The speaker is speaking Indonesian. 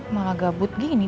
malah gabut dobring ini